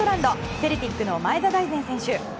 セルティックの前田大然選手。